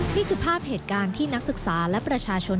นี่คือภาพเหตุการณ์ที่นักศึกษาและประชาชน